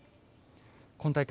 今大会